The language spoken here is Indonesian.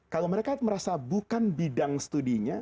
kalau mereka merasa bukan bidang studinya